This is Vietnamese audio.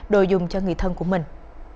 đồ dùng cho người thân của mình